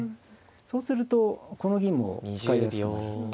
そうするとこの銀も使いやすくなる。